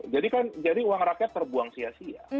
jadi kan uang rakyat terbuang sia sia